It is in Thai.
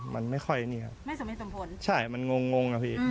มันไม่ค่อยใช่มันงงครับพี่